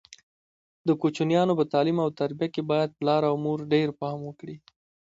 د کوچنیانو په تعلیم او تربیه کې باید پلار او مور ډېر پام وکړي.